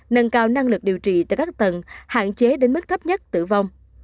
nâng cao năng lực điều trị tại các tầng hạn chế đến mức thấp nhất tử vong